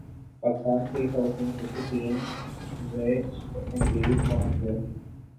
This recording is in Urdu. پاکستان کی خواتین کرکٹ ٹیم ویسٹ انڈیز پہنچ گئی